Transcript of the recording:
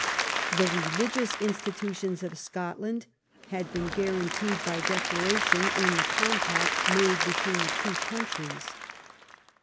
The religious institu tions of Scotland had been guaranteed by declaration in the compact made between the two countries.